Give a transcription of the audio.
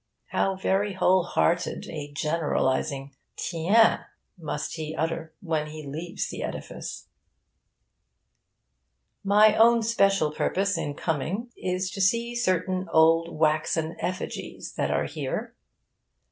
How very whole hearted a generalising 'Tiens! must he utter when he leaves the edifice! My own special purpose in coming is to see certain old waxen effigies that are here.